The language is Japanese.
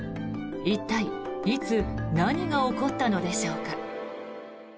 一体いつ何が起こったのでしょうか。